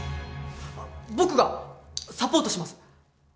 僕がサポートします！